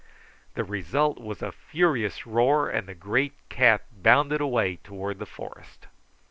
The result was a furious roar, and the great cat bounded away towards the forest.